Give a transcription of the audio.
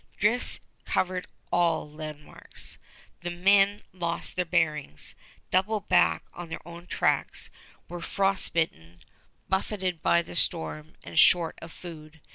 Drifts covered all landmarks. The men lost their bearings, doubled back on their own tracks, were frost bitten, buffeted by the storm, and short of food.